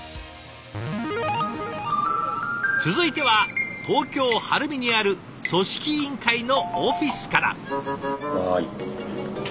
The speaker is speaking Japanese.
続いては東京・晴海にある組織委員会のオフィスから。